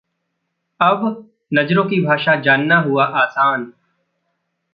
अब नजरों की भाषा जानना हुआ आसान...